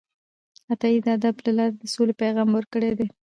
عطايي د ادب له لارې د سولې پیغام ورکړی دی